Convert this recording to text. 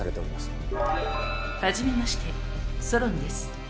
初めましてソロンです。